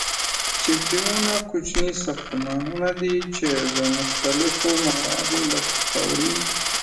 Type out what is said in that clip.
چیک ډیمونه کوچني ساختمانونه دي ،چې د مختلفو موادو لکه خاورین.